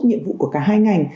nhiệm vụ của cả hai ngành